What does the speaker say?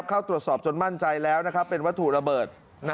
เข้าตรวจสอบจนมั่นใจแล้วเป็นวัตถุระเบิด